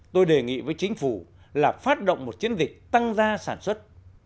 tôi đề nghị với chính phủ là phát động một chiến dịch tăng gia sản xuất